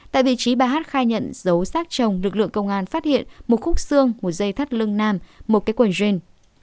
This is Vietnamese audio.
tại vị trí bà h khai nhận dấu sát chồng lực lượng công an phát hiện một khúc xương một dây thắt lưng nam một cái quần jean